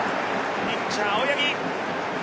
ピッチャー・青柳。